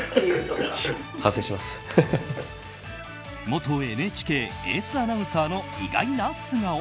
元ＮＨＫエースアナウンサーの意外な素顔。